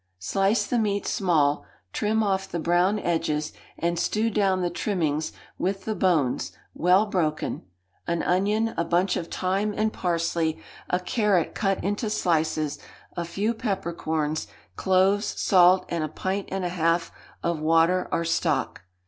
Slice the meat small, trim off the brown edges, and stew down the trimmings with the bones, well broken, an onion, a bunch of thyme and parsley, a carrot cut into slices, a few peppercorns, cloves, salt, and a pint and a half of water or stock.